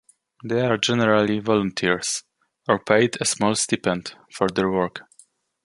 They are generally volunteers or paid a small stipend for their work.